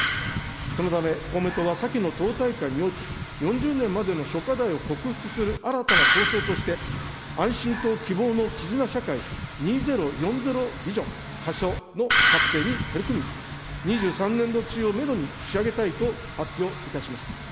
そのため、公明党は、先の党大会において、４０年までの諸課題を克服する新たな構想として、安心と希望の絆社会２０４０ビジョン仮称の策定に取り組み、２３年度中をメドに仕上げたいと発表いたしました。